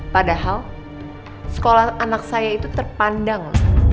padahal sekolah anak saya itu terpandang